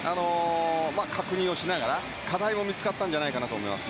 確認をしながら課題も見つかったと思います。